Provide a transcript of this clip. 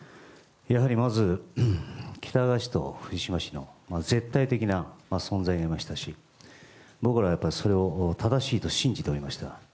やはりまず、喜多川氏と藤島氏の絶対的な存在がありましたし僕らはそれを正しいと信じておりました。